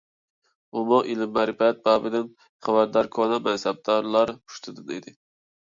ئۇمۇ ئىلىم - مەرىپەت بابىدىن خەۋەردار كونا مەنسەپدارلار پۇشتىدىن ئىدى.